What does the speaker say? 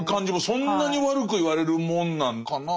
そんなに悪く言われるもんなんかなみたいな。